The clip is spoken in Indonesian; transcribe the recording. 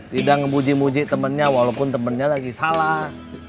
tidak ngemuji muji temennya walaupun temennya lagi salah